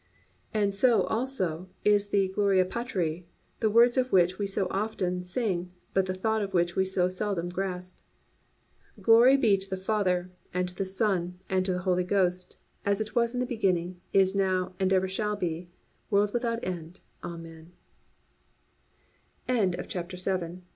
And so, also, is the Gloria Patri, the words of which we so often sing, but the thought of which we so seldom grasp: Glory be to the Father, and to the Son, and to the Holy Ghost, as it was in the beginning, is now, and ever shall be, world without end,